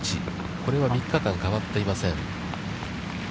これは３日間、変わっていません。